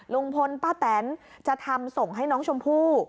ลุงพลป้าแตนจะทำส่งให้น้องชมพู่